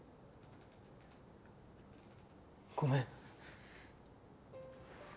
ごめん。